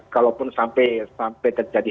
kalaupun sampai terjadi